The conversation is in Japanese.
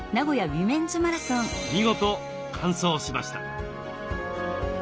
見事完走しました。